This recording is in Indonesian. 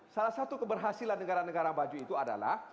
salah satu keberhasilan negara negara maju itu adalah